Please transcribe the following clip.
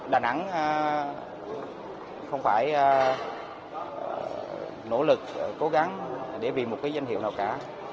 đà nẵng không phải nỗ lực cố gắng để vì một cái danh hiệu nào cả